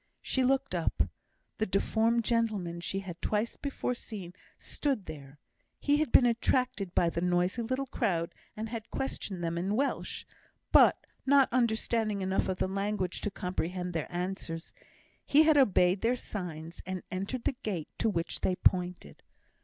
She looked up. The deformed gentleman she had twice before seen, stood there. He had been attracted by the noisy little crowd, and had questioned them in Welsh, but not understanding enough of the language to comprehend their answers, he had obeyed their signs, and entered the gate to which they pointed.